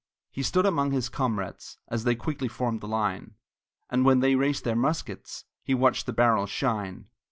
He stood among his comrades, As they quickly formed the line, And when they raised their muskets He watched the barrels shine.